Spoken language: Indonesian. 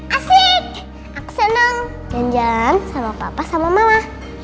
asik aku seneng jalan jalan sama papa sama mama